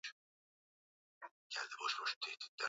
ya mvua ya Amazon mchumbaji yenyewe jaguar